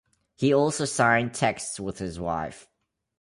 He also signed texts with his wife.